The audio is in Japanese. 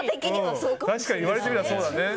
確かに言われてみればそうだね。